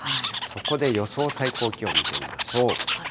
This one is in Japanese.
そこで予想最高気温、見てみましょう。